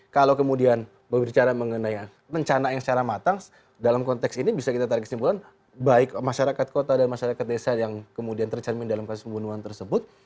kalau kemudian berbicara mengenai rencana yang secara matang dalam konteks ini bisa kita tarik kesimpulan baik masyarakat kota dan masyarakat desa yang kemudian tercermin dalam kasus pembunuhan tersebut